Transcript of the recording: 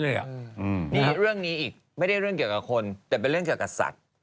นี่เรื่องนี้อีกไม่ได้เรื่องเกี่ยวกับคนแต่เป็นเรื่องเกี่ยวกับสัตว์